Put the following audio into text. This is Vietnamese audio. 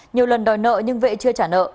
nhiều lần đòi nợ nhưng vệ chưa trả nợ